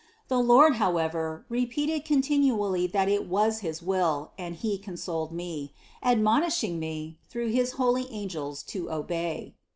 The Lord, however, repeated con tinually that it was his will and He consoled me, admon ishing me through his holy angels to obey.